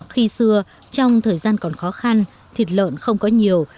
khi xưa trong thời gian còn khó khăn thịt lợn không có nhiều